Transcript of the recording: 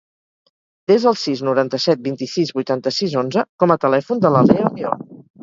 Desa el sis, noranta-set, vint-i-sis, vuitanta-sis, onze com a telèfon de la Leah Leon.